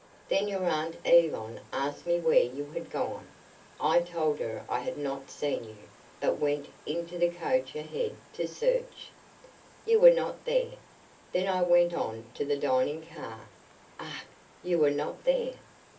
Then your Aunt Yvonne asked me where you had gone. I told her I had not seen you, but went into the coach ahead to search. You were not there. Then I went on to the dining car. Ach, you were not there.